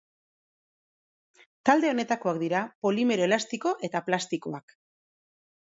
Talde honetakoak dira polimero elastiko eta plastikoak.